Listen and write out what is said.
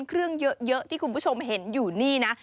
เครื่องเยอะที่คุณผู้ชมเห็นอยู่นี่นะ